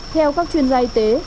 theo các chuyên gia y tế